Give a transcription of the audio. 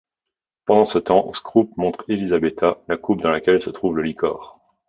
Pendant ce temps Scroop montre Elisabetta la coupe dans laquelle se trouve le licor.